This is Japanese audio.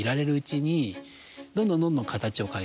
どんどんどんどん。